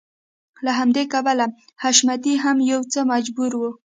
له همدې کبله حشمتی هم يو څه مجبور و.